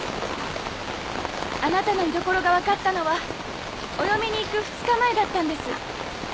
あなたの居所が分かったのはお嫁に行く２日前だったんです。